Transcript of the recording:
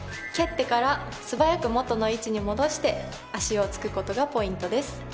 蹴ってから素早く元の位置に戻して足を着くことがポイントです。